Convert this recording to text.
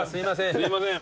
すいません。